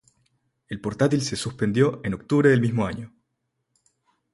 El portátil se suspendió en octubre del mismo año.